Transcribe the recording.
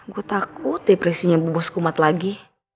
gue takut depresinya bu bos kumat lagi